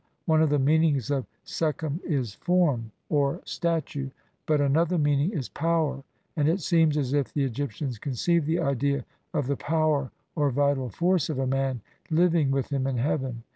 One of the meanings of sekhem is "form" or "statue", but another meaning is "power", and it seems as if the Egyptians conceived the idea of the power or vital force of a man living with him in heaven.